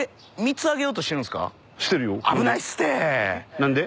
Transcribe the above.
何で？